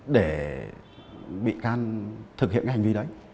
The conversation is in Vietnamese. để bị can thực hiện cái hành vi đấy